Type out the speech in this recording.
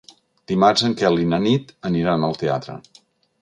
Dimarts en Quel i na Nit aniran al teatre.